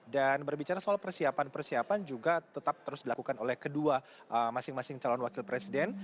dan berbicara soal persiapan persiapan juga tetap terus dilakukan oleh kedua masing masing calon wakil presiden